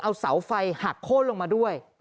เอาเสาไฟหักโค้นลงมาด้วย